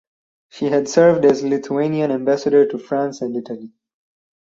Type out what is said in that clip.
She had served as Lithuanian ambassador to France and Italy.